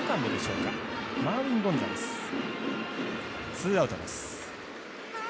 ツーアウトです。